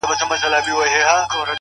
• انار ګل د ارغنداو پر بګړۍ سپور سو,